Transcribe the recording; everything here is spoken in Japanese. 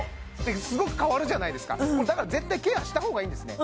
すごく変わるじゃないですかだから絶対ケアしたほうがいいんですね